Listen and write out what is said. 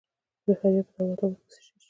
د فاریاب په دولت اباد کې څه شی شته؟